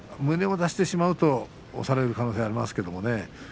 胸を出してしまうと押される可能性がありますね。